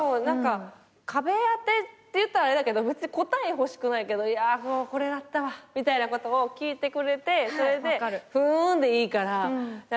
壁当てって言ったらあれだけど別に答え欲しくないけどいやこれだったわみたいなことを聞いてくれてそれで「ふん」でいいから流してくれる。